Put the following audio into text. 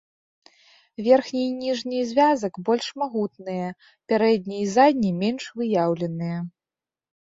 Верхні і ніжні звязак больш магутныя, пярэдні і задні менш выяўленыя.